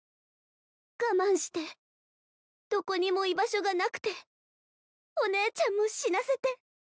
我慢してどこにも居場所がなくてお姉ちゃんも死なせて。